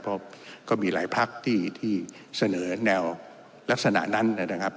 เพราะก็มีหลายพักที่เสนอแนวลักษณะนั้นนะครับ